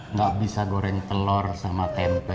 nggak bisa goreng telur sama tempe